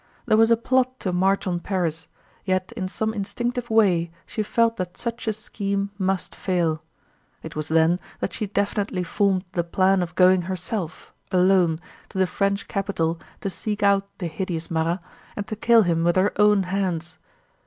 There was a plot to march on Paris, yet in some instinctive way she felt that such a scheme must fail. It was then that she definitely formed the plan of going herself, alone, to the French capital to seek out the hideous Marat and to kill him with her own hands.